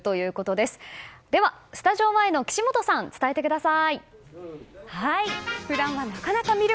ではスタジオ前の岸本さん伝えてください。